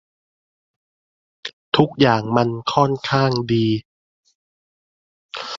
ทุกอย่างมันค่อนข้างดี